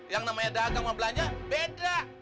yang namanya dagang sama belanja beda